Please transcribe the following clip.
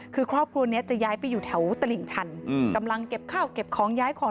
คือครอบครัวนี้จะย้ายไปอยู่แถวตลิ่งชันกำลังเก็บข้าวเก็บของย้ายของ